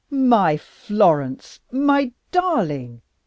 "My Florence! my darling!"